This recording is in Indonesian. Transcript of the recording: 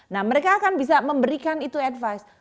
nah mereka akan bisa memberikan itu advice